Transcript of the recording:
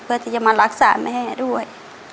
เพื่อที่จะมารักษาแม่ด้วย